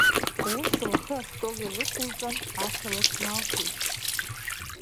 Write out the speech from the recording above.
Ус, лхы астол илықәылҵан, ацәа лыҽналҭеит.